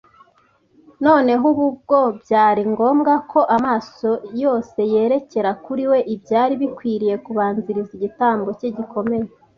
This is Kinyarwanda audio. Noneho ubu bwo byari ngombwa ko amaso yose yerekera kuri we ibyari bikwiriye kubanziriza igitambo cye gikomeye